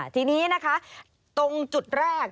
ทีนี้นะคะตรงจุดแรก